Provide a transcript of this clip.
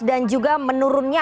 dan juga menurunnya